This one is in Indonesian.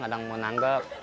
kadang mau nanggep